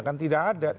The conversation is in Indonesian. kan tidak ada